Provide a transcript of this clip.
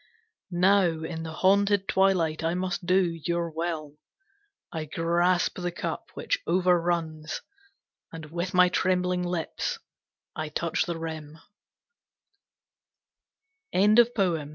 Now in the haunted twilight I must do Your will. I grasp the cup which over runs, And with my trembling lips I touch the rim.